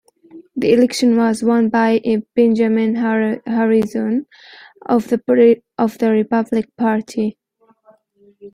The election was won by Benjamin Harrison of the Republican Party.